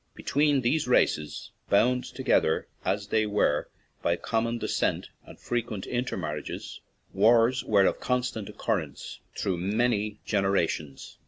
Between these races, bound together as they were by common descent and frequent inter 54 DONEGAL TO BALLYSHANNON marriages, wars were of constant occur rence through many generations.